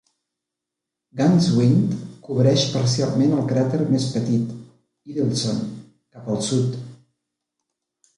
Ganswindt cobreix parcialment el cràter més petit, Idel'son, cap al sud.